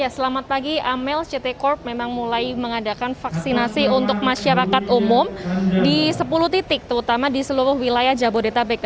selamat pagi amel ct corp memang mulai mengadakan vaksinasi untuk masyarakat umum di sepuluh titik terutama di seluruh wilayah jabodetabek